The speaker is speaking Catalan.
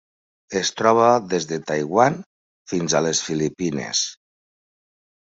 Es troba des de Taiwan fins a les Filipines.